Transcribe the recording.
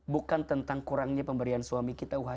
bukan tentang kurangnya pemberian suami kita